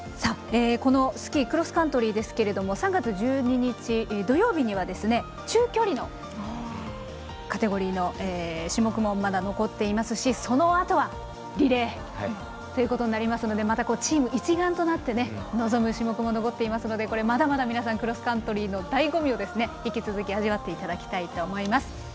スキー・クロスカントリーですが３月１２日、土曜日には中距離のカテゴリーの種目もまだ残っていますしそのあとはリレーということになりますのでチーム一丸となって臨む種目も残っていますのでまだまだ皆さんクロスカントリーのだいご味を引き続き味わっていただきたいと思います。